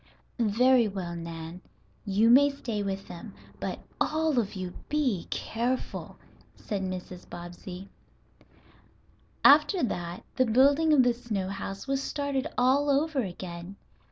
"Very well, Nan, you may stay with them. But all of you be careful," said Mrs. Bobbsey. After that the building of the snow house was started all over again.